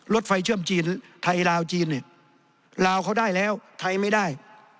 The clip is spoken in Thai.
รถไฟเชื่อมจีนไทยลาวจีนเนี่ยลาวเขาได้แล้วไทยไม่ได้